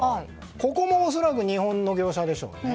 ここも恐らく日本の業者でしょうね。